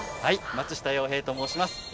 松下洋平と申します。